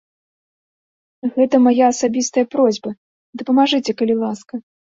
Гэта мая асабістая просьба, дапамажыце, калі ласка.